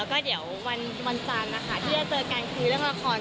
แล้วก็เดี๋ยววันจันทร์นะคะที่จะเจอกันคือเรื่องละคร